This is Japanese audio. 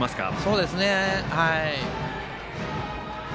そうですね。